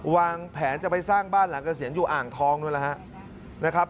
วางแผนจะไปสร้างบ้านหลังเกษียณอยู่อ่างทองนู้นแหละฮะนะครับ